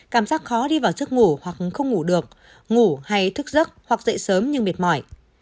cảm giác khó đi vào giấc ngủ hoặc không ngủ được ngủ hay thức giấc hoặc dậy sớm nhưng mệt mỏi